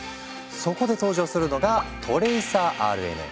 そこで登場するのが「トレイサーＲＮＡ」。